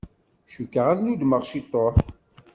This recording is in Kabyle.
Cukkeɣ ad nudmeɣ ciṭuḥ.